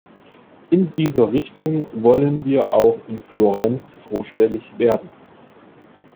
In dieser Richtung wollen wir auch in Florenz vorstellig werden.